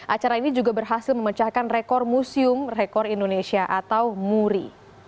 acara ini juga berhasil memecahkan rekor museum rekor indonesia atau muri